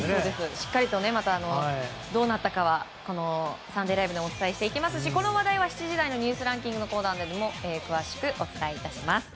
しっかりとどうなったかは「サンデーＬＩＶＥ！！」でもお伝えしていきますしこの話題は７時台のニュースランキングでも詳しくお伝え致します。